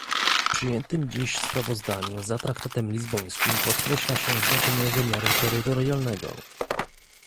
W przyjętym dziś sprawozdaniu za traktatem lizbońskim podkreśla się znaczenie wymiaru terytorialnego